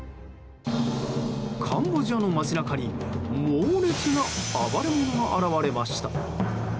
カンボジアの街中にモーレツな暴れ者が現れました。